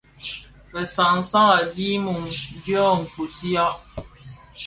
Bi san san a di mum dyō kpusiya.